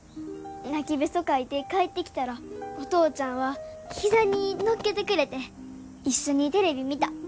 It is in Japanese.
・泣きべそかいて帰ってきたらお父ちゃんは膝に乗っけてくれて一緒にテレビ見た。